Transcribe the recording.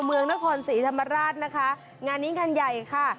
เมืองนครศรีธรรมราชนะคะงานนี้งานใหญ่ค่ะ